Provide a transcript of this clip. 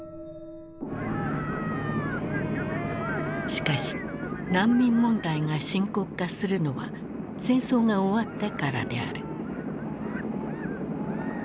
しかし難民問題が深刻化するのは戦争が終わってからである。